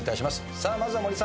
さあまずは森さん。